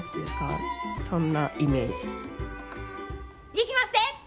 いきまっせ！